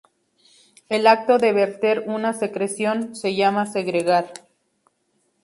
El acto de verter una secreción se llama segregar.